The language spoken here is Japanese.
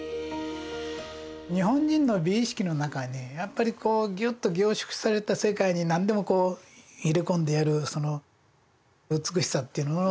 日本人の美意識の中にやっぱりこうギュッと凝縮された世界に何でもこう入れ込んでやるその美しさっていうのの。